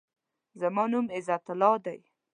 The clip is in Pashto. زما نوم عزت الله دی.